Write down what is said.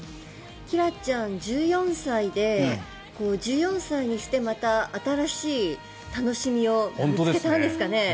キラちゃん、１４歳で１４歳にして、また新しい楽しみを見つけたんですかね。